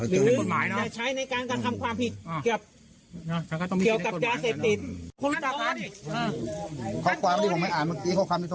หรือได้ใช้ไฟใกล้การกระทำความผิด